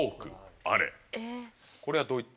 これはどういった？